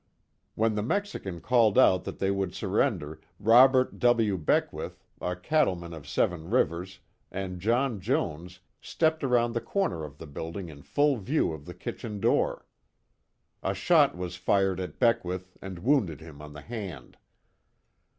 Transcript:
When the Mexican called out that they would surrender, Robert W. Beckwith, a cattleman of Seven Rivers, and John Jones, stepped around the corner of the building in full view of the kitchen door. A shot was fired at Beckwith and wounded him on the hand.